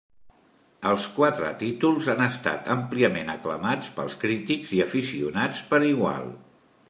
Els quatre títols han estat àmpliament aclamats pels crítics i aficionats per igual.